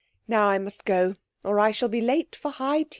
Now I must go, or I shall be late for high tea.'